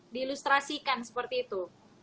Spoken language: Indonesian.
diilustrasikan seperti itu